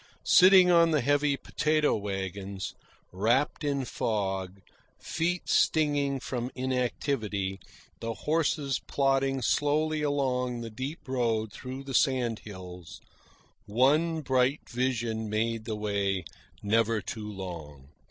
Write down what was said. Sitting on the heavy potato wagons, wrapped in fog, feet stinging from inactivity, the horses plodding slowly along the deep road through the sandhills, one bright vision made the way never too long.